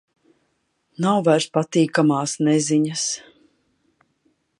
Nav vairs patīkamās neziņas.